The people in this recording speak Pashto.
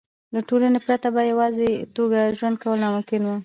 له ټولنې پرته په یوازې توګه ژوند کول ناممکن وو.